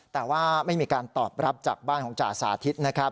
แต่ว่าไม่มีการตอบรับจากบ้านของจ่าสาธิตนะครับ